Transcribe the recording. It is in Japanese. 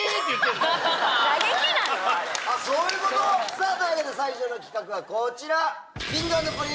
さぁというわけで最初の企画はこちら！